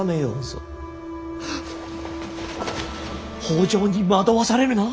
北条に惑わされるな。